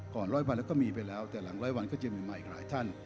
ร้อยวันแล้วก็มีไปแล้วแต่หลังร้อยวันก็จะมีมาอีกหลายท่าน